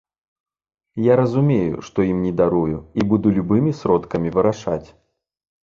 Я разумею, што ім не дарую і буду любымі сродкамі вырашаць.